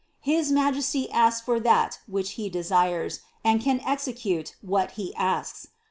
His Majesty asks for that which He desires, and can execute what He asks.